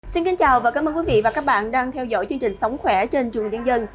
xin kính chào và cảm ơn quý vị và các bạn đang theo dõi chương trình sống khỏe trên trường tiên dân